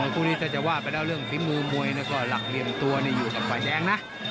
คู่นี้ถ้าจะวาดไปเรื่องฝีมือมวยหลักเรียมตัวอยู่กับฝ่ายแดงนะ